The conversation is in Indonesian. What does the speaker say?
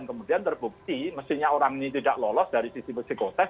kemudian terbukti mestinya orang ini tidak lolos dari sisi psikotest